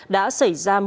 đã xảy ra mưa đá